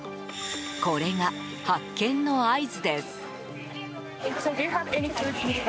これが発見の合図です。